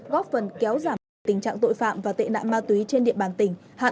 góp phần kéo giảm được tình trạng tội phạm và tệ nạn ma túy trên địa bàn tỉnh